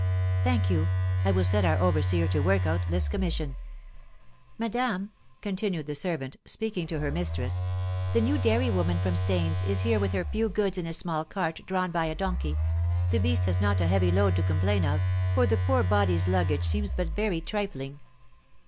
"Thank you. I will set our overseer to work out this commission." "Madame," continued the servant, speaking to her mistress, "the new dairy woman from Stains is here with her few goods in a small cart drawn by a donkey. The beast has not a heavy load to complain of, for the poor body's luggage seems but very trifling."